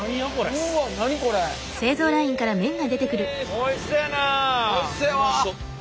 おいしそうやわ！